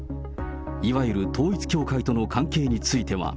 いわゆる統一教会との関係については。